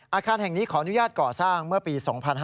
อาคารแห่งนี้ขออนุญาตก่อสร้างเมื่อปี๒๕๕๙